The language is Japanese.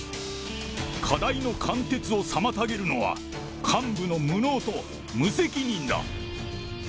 課題の貫徹を妨げるのは、幹部の無能と無責任だ。